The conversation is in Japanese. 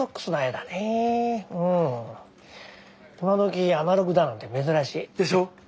今どきアナログだなんて珍しい。でしょ？